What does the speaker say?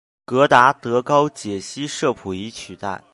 戈达德高解析摄谱仪取代。